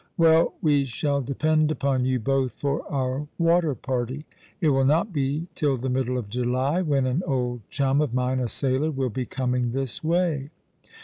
" Well, we shall depend upon you both for our water party. It will not be till the middle of July, when an old chum of mine, a sailor, will be coming this way."